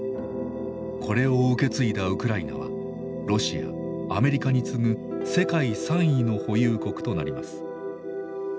これを受け継いだウクライナはロシアアメリカに継ぐ世界３位の保有国となります。